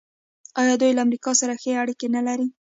آیا دوی له امریکا سره ښې اړیکې نلري؟